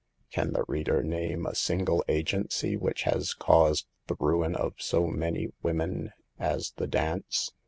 Can the reader name a single agency which has caused the ruin of so many women as the dance